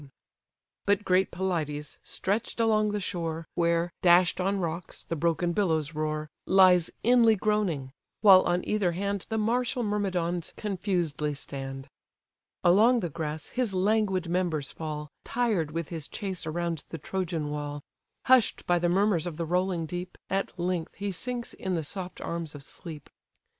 But great Pelides, stretch'd along the shore, Where, dash'd on rocks, the broken billows roar, Lies inly groaning; while on either hand The martial Myrmidons confusedly stand. Along the grass his languid members fall, Tired with his chase around the Trojan wall; Hush'd by the murmurs of the rolling deep, At length he sinks in the soft arms of sleep.